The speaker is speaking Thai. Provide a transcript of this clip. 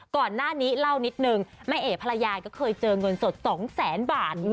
ก่อนหน้านี้เล่านิดนึงแม่เอ๋ภรรยาก็เคยเจอเงินสด๒แสนบาท